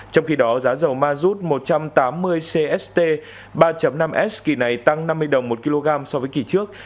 trong khi đó giá dầu mazut một trăm tám mươi cst ba năm s kỳ này tăng năm mươi đồng một kg so với kỳ trước